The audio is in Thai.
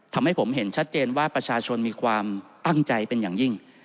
ทำให้ผมเห็นชัดเจนว่าประชาชนมีความตั้งใจเป็นอย่างยิ่ง